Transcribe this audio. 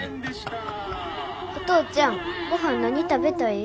お父ちゃんごはん何食べたい？